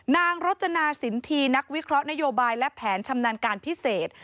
นางรจนาสินทีนักวิเคราะห์นโยบายและแผนชำนาญการพิเศษ